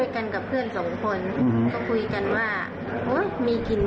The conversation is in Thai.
อยู่ด้วยกันกับเพื่อนสองคน